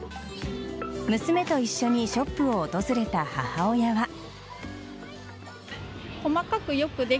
娘と一緒にショップを訪れた母親は。